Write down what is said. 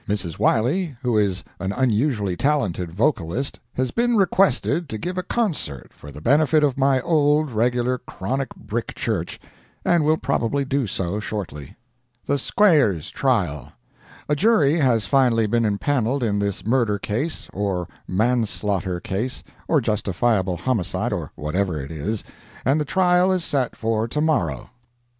Mrs. Wiley, who is an unusually talented vocalist, has been requested to give a concert for the benefit of my old regular chronic brick church, and will probably do so shortly. THE SQUAIRES TRIAL A jury has finally been empaneled in this murder case, or man slaughter case, or justifiable homicide, or whatever it is, and the trial set for to morrow.